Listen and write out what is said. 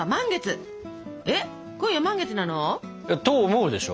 えっ今夜満月なの？と思うでしょ？